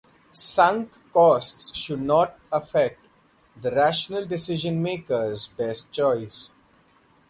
Sunk costs should not affect the rational decision-maker's best choice.